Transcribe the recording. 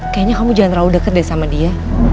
kayaknya kamu jangan terlalu dekat deh sama dia